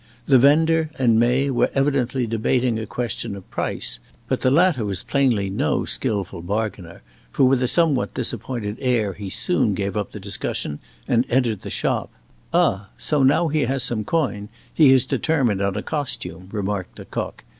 The vender and May were evidently debating a question of price; but the latter was plainly no skilful bargainer, for with a somewhat disappointed air he soon gave up the discussion and entered the shop. "Ah, so now he has some coin he has determined on a costume," remarked Lecoq.